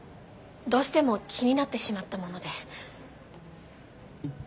どうしても気になってしまったもので。